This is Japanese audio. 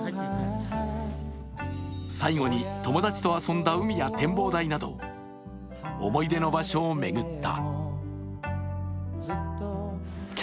最後に友達と遊んだ海や展望台など思い出の場所を巡った。